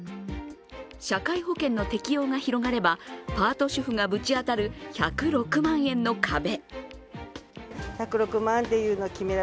社会保険の適用が広がれば、パート主婦がぶち当たる１０６万円の壁。